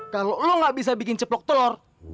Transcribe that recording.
kalau lo gak bisa bikin ceplok telur